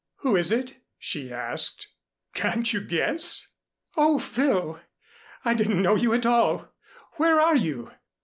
"Who is it?" she asked. "Can't you guess?" "Oh, Phil! I didn't know you at all. Where are you?"